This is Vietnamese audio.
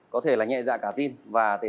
có thể là nhẹ dạ cả tin và để